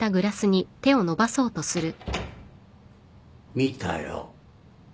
見たよ。